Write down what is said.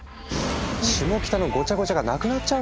「シモキタのごちゃごちゃがなくなっちゃうじゃん！」